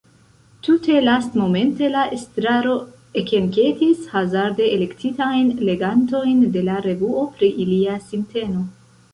Tute lastmomente la estraro ekenketis hazarde elektitajn legantojn de la revuo pri ilia sinteno.